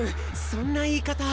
そんな言い方。